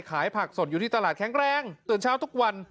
ขายผักสดอยู่ที่ตลาดแข็งแรงตื่นเช้าทุกวัน